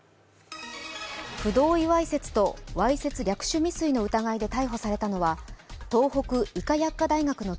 不同意わいせつとわいせつ略取未遂の疑いで逮捕されたのは東北医科薬科大学の